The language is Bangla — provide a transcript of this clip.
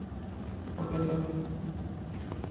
ওকে দাগ ছুঁতে দিস না।